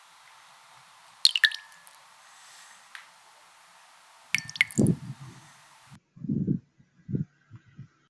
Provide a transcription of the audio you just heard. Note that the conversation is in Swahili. Wairani waliokuwa na hasira wanaopinga kitendo cha kunyongwa kwake, walivamia balozi mbili za kidiplomasia za Saudi Arabia nchini Iran